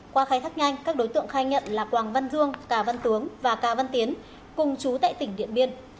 qua khai thác nhanh các đối tượng khai nhận là quảng văn dương cà văn tướng và cà văn tiến cùng chú tại tỉnh điện biên